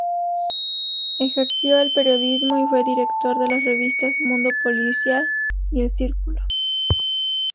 Ejerció el periodismo y fue director de las revistas "Mundo Policial" y "El Círculo".